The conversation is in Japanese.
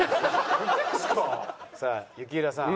さあ雪平さん。